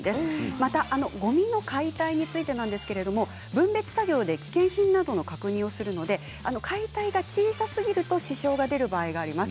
またごみの解体についてなんですけれど分別作業で危険品などの確認をするので解体が小さすぎると支障が出る場合があります。